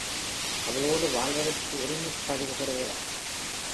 அவளோடு வாழ்வதற்கு உரிமைப் பதிவு பெறுகிறான்.